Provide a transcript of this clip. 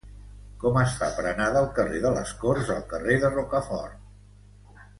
Com es fa per anar del carrer de les Corts al carrer de Rocafort?